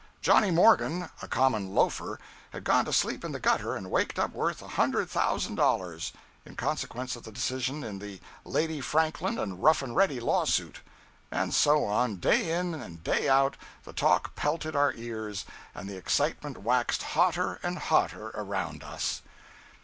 Johnny Morgan, a common loafer, had gone to sleep in the gutter and waked up worth a hundred thousand dollars, in consequence of the decision in the "Lady Franklin and Rough and Ready" lawsuit. And so on—day in and day out the talk pelted our ears and the excitement waxed hotter and hotter around us.